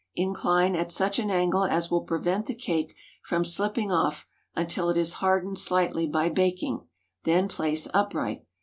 Incline at such an angle as will prevent the cake from slipping off, until it is hardened slightly by baking, then place upright.